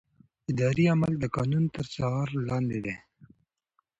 اداري عمل د قانون تر څار لاندې دی.